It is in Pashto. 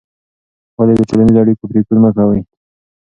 ولې د ټولنیزو اړیکو پرېکون مه کوې؟